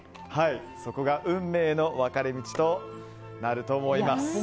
そこが運命の分かれ道となると思います。